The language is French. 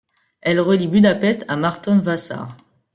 Elle relie Budapest à Martonvásár.